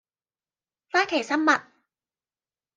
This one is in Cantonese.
花旗參蜜